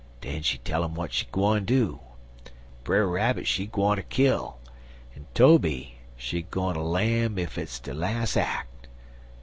Den she tell um w'at she gwine do. Brer Rabbit she gwineter kill, en Tobe she gwineter lam ef its de las' ack.